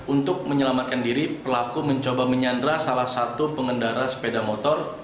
untuk menyelamatkan diri pelaku mencoba menyandra salah satu pengendara sepeda motor